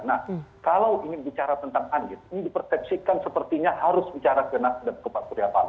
nah kalau ini bicara tentang anies ini dipersepsikan sepertinya harus bicara ke nas dan ke pak suryapalo